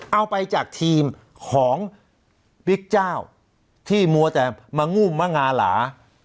เอาไปจากทีมของบิ๊กเจ้าที่มัวแต่มางุ่มมะงาหลา